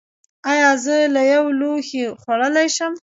ایا زه له یو لوښي خوړلی شم؟